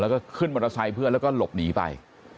แล้วก็ขึ้นมอเตอร์ไซค์เพื่อนแล้วก็หลบหนีไป